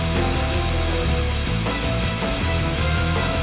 kamu sudah siap kang